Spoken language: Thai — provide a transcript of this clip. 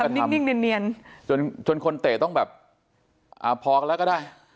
อ่าทำนิ่งเนียนจนคนเตะต้องแบบอ่าพอแล้วก็ได้